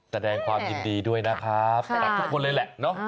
ตะแดงความยินดีด้วยนะครับรักทุกคนเลยละเนอะ